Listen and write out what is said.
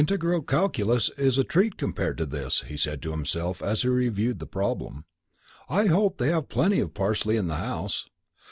"Integral calculus is a treat compared to this," he said to himself as he reviewed the problem. "I hope they have plenty of parsley in the house.